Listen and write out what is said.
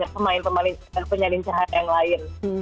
pemain penyelincahan yang lain